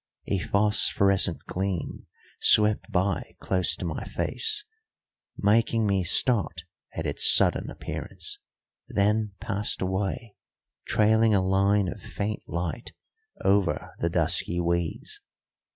A phosphorescent gleam swept by close to my face, making me start at its sudden appearance, then passed away, trailing a line of faint light over the dusky weeds.